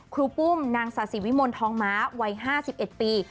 รูปุ้มนางสาธิวิมลทองม้าวัย๕๑ปี